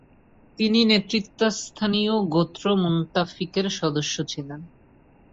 তিনি নেতৃত্বাস্থানীয় গোত্র মুনতাফিকের সদস্য ছিলেন।